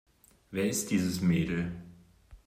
Wer ist dieses Mädel?